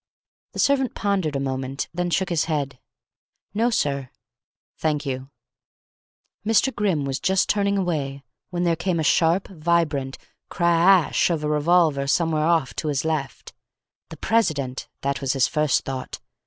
The servant pondered a moment, then shook his head. "No, sir." "Thank you." Mr. Grimm was just turning away, when there came the sharp, vibrant cra a sh! of a revolver, somewhere off to his left. The president! That was his first thought.